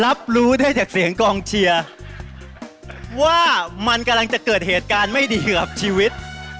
รับรู้ได้จากเสียงกองเชียร์ว่ามันกำลังจะเกิดเหตุการณ์ไม่ดีกับชีวิต